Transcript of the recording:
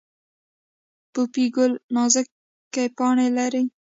پوپی ګل نازکې پاڼې لري